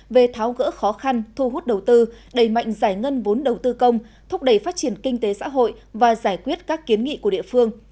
về tháo gỡ khó khăn thu hút đầu tư đẩy mạnh giải ngân vốn đầu tư công thúc đẩy phát triển kinh tế xã hội và giải quyết các kiến nghị của địa phương